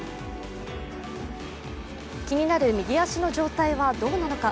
気になる右足の状態はどうなのか。